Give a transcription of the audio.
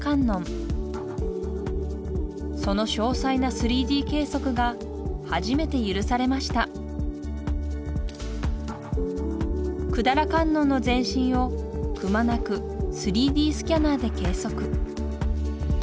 その詳細な３Ｄ計測が初めて許されました百済観音の全身をくまなく３Ｄスキャナーで計測